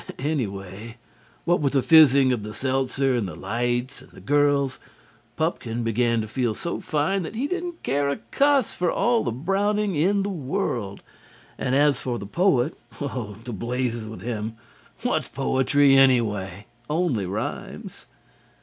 Anyway, what with the phizzing of the seltzer and the lights and the girls, Pupkin began to feel so fine that he didn't care a cuss for all the Browning in the world, and as for the poet oh, to blazes with him! What's poetry, anyway? only rhymes.